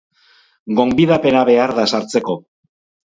Gonbidapena behar da sartzeko.